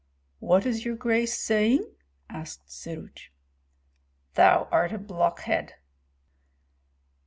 "What is your grace saying?" asked Syruts. "Thou art a blockhead!"